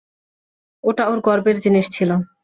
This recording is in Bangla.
ওটা ওর গর্বের জিনিস ছিল।